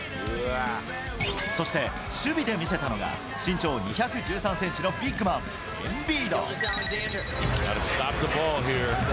そして、守備で見せたのが、身長２１３センチのビッグマン、エンビード。